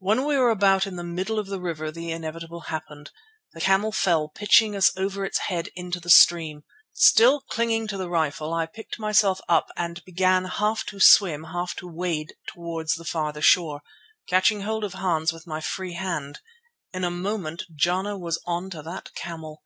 When we were about in the middle of the river the inevitable happened. The camel fell, pitching us over its head into the stream. Still clinging to the rifle I picked myself up and began half to swim half to wade towards the farther shore, catching hold of Hans with my free hand. In a moment Jana was on to that camel.